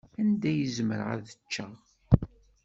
Anda i zemreɣ ad ččeɣ?